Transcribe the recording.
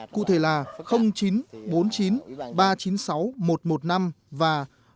cụ thể là chín trăm bốn mươi chín ba trăm chín mươi sáu một trăm một mươi năm và chín trăm sáu mươi chín tám mươi hai một trăm một mươi năm